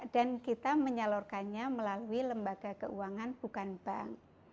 dan kita menyalurkannya melalui lembaga keuangan bukan bank